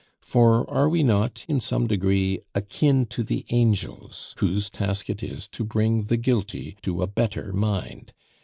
For are we not, in some degree, akin to the angels, whose task it is to bring the guilty to a better mind?